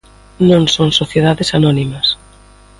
Non son sociedades anónimas.